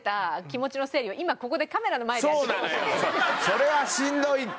それはしんどいって。